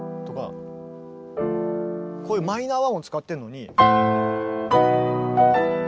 こういうマイナー和音使ってんのに。